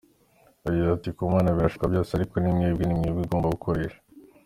Yagize ati “Ku Mana birashoboka byose, ariko ni mwebwe, ni twebwe igomba gukoresha.